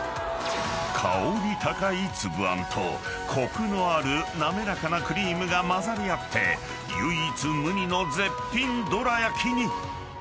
［香り高いつぶあんとコクのある滑らかなクリームが混ざり合って唯一無二の絶品どらやきに］